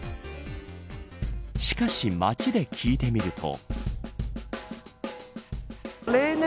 しかし、街で聞いてみると。